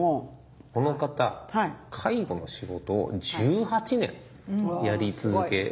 この方介護の仕事を１８年やり続けられてて。